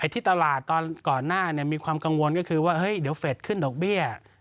ที่ตลาดตอนก่อนหน้ามีความกังวลก็คือว่าเฮ้ยเดี๋ยวเฟสขึ้นดอกเบี้ย